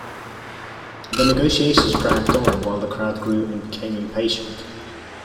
The negotiations dragged on while the crowd grew and became impatient.